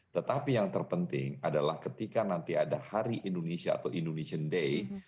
tetapi yang terpenting adalah ketika nanti ada hari indonesia atau indonesian day